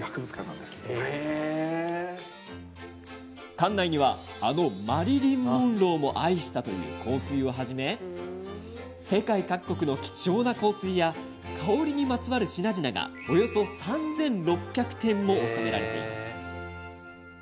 館内にはマリリン・モンローも愛したという香水をはじめ世界各国の貴重な香水や香りにまつわる品々がおよそ３６００点も収められています。